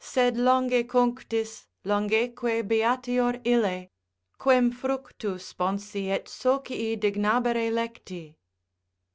— Sed longe cunctis, longeque beatior ille, Quem fructu sponsi et socii dignabere lecti.